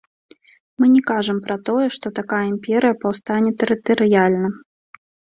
Мы не кажам пра тое, што такая імперыя паўстане тэрытарыяльна.